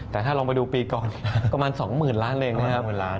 แต่ถ้าลองไปดูปีก่อนประมาณ๒๐๐๐ล้านเองนะครับ